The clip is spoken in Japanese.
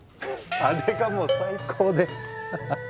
あれがもう最高でははっ。